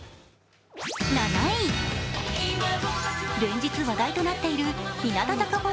７位、連日話題となっている日向坂